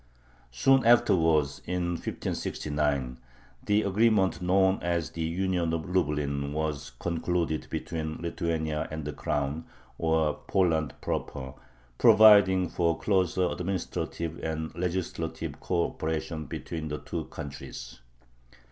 Soon afterwards, in 1569, the agreement known as the "Union of Lublin" was concluded between Lithuania and the Crown, or Poland proper, providing for closer administrative and legislative co operation between the two countries.